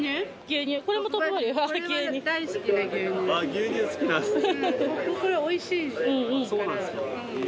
牛乳好きなんですね。